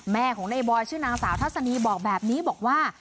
แม่ของในบอยชื่อนางสาวทัศนีบอกแบบนี้บอกว่า